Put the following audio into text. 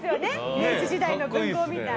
明治時代の文豪みたい。